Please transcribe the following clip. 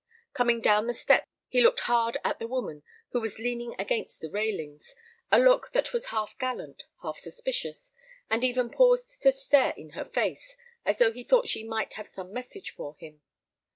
Coming down the steps he looked hard at the woman who was leaning against the railings, a look that was half gallant, half suspicious, and even paused to stare in her face as though he thought she might have some message for him.